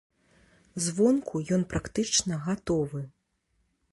Звонку ён практычна гатовы.